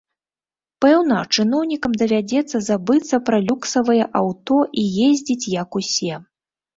Пэўна, чыноўнікам давядзецца забыцца пра люксавыя аўто і ездзіць, як усе.